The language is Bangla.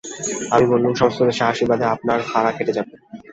আমি বললুম, সমস্ত দেশের আশীর্বাদে আপনার ফাঁড়া কেটে যাবে।